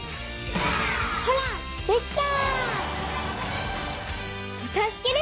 ほらできた！